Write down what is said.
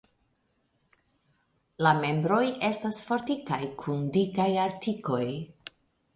La membroj estas fortikaj kun dikaj artikoj.